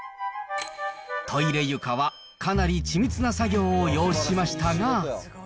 トイレ床はかなり緻密な作業を要しましたが。